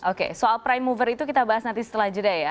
oke soal prime mover itu kita bahas nanti setelah jeda ya